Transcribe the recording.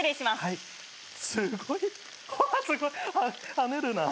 跳ねるな。